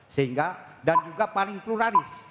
sehingga dan juga paling pluralis